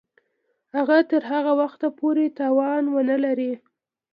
هغه تر هغه وخته پوري توان ونه لري.